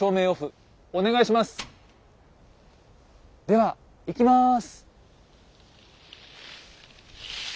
ではいきます。